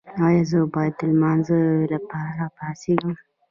ایا زه باید د لمانځه لپاره پاڅیږم؟